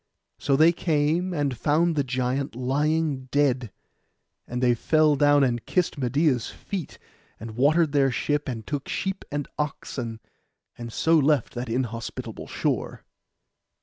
So they came, and found the giant lying dead; and they fell down, and kissed Medeia's feet; and watered their ship, and took sheep and oxen, and so left that inhospitable shore.